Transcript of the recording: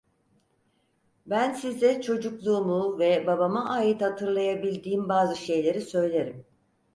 Ben size çocukluğumu ve babama ait hatırlayabildiğim bazı şeyleri söylerim.